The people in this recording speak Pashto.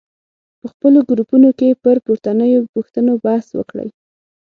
په خپلو ګروپونو کې پر پورتنیو پوښتنو بحث وکړئ.